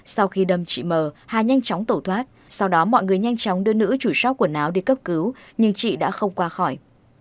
sau khi đâm chị mờ hà nhanh chóng tẩu thoát sau đó mọi người nhanh chóng đưa nữ chủ sóc quần áo đi cấp cứu nhưng chị đã không qua khỏi